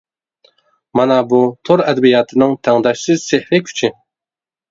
مانا بۇ تور ئەدەبىياتىنىڭ تەڭداشسىز سېھرىي كۈچى!